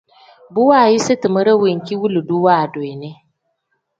Bu waayisi timere wilidu waadu yi ne.